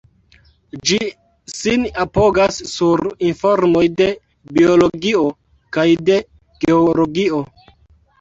Ĝi sin apogas sur informoj de Biologio kaj de Geologio.